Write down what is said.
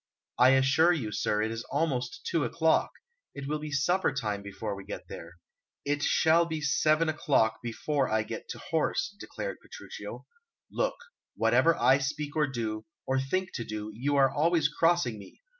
"I assure you, sir, it is almost two o'clock; it will be supper time before we get there." "It shall be seven o'clock before I get to horse," declared Petruchio. "Look, whatever I speak or do, or think to do, you are always crossing me!